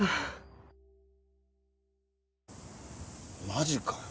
マジかよ。